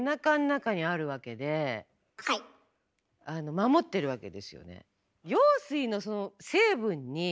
守ってるわけですよね。